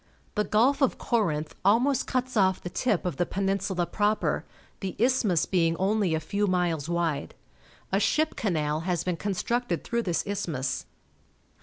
The Gulf of Corinth almost cuts off the tip of the peninsula proper, the isthmus being only a few miles wide. A ship canal has been constructed through this isthmus.